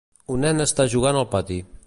Un nen està jugant al pati.